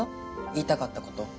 言いたかったこと。